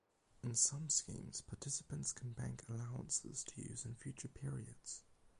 In some schemes, participants can bank allowances to use in future periods.